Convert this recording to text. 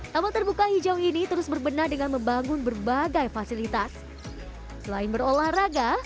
taman terbuka hijau ini terus berbenah dengan membangun berbagai fasilitas selain berolahraga